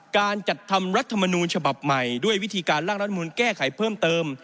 การจัดทำรัฐมนูลฉบับใหม่ด้วยวิธีการล่างรัฐมนูลแก้ไขเพิ่มเติม